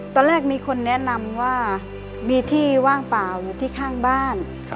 ตอนแรกมีคนแนะนำว่ามีที่ว่างเปล่าอยู่ที่ข้างบ้าน